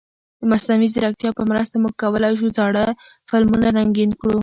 د مصنوعي ځیرکتیا په مرسته موږ کولای شو زاړه فلمونه رنګین کړو.